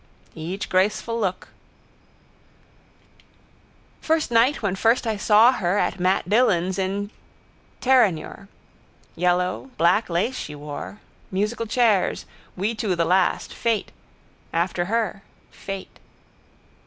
—Each graceful look... First night when first I saw her at Mat Dillon's in Terenure. Yellow, black lace she wore. Musical chairs. We two the last. Fate. After her. Fate.